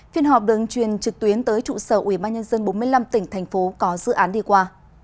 phiên họp đường truyền trực tuyến tới trụ sở ubnd bốn mươi năm tỉnh thành phố có dự án đi qua